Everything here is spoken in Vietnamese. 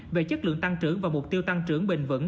về chất lượng tăng trưởng và mục tiêu tăng trưởng bình vẩn